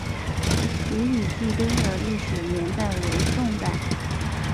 五礼记碑的历史年代为宋代。